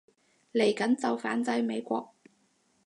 嚟緊就反制美國